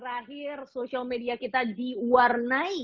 terakhir social media kita diwarnai